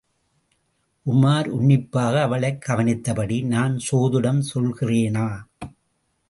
உமார் உன்னிப்பாக அவளைக் கவனித்தபடி நான் சோதிடம் சொல்கிறேனா?